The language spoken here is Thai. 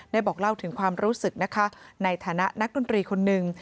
ได้บอกเล่าถึงความรู้สึกในฐานะนักดนตรีคนนึง